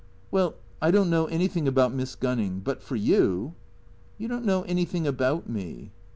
" Well — I don't know anything about Miss Gunning. But for you "" You don't know anything about me."